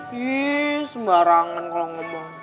ih sembarangan kalau ngomong